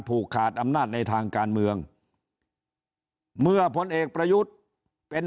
ผูกขาดอำนาจในทางการเมืองเมื่อพลเอกประยุทธ์เป็น